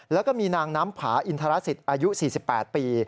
แล้วก็มีนางน้ำผาอินทรสิตอายุ๔๘ปี